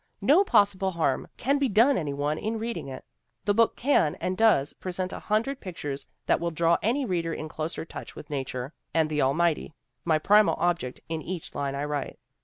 No possible harm can be done any one in reading it. The book can, and does, present a hundred pictures that will draw any reader in closer touch with nature and the Almighty, my primal object in each line I write.